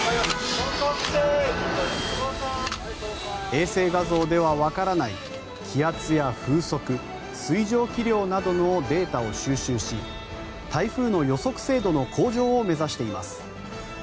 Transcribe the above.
衛星画像ではわからない気圧や風速水蒸気量などのデータを収集し台風の予測精度の向上を目指しています。